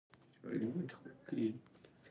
قانون د نظم د ساتنې اساسي وسیله ګڼل کېږي.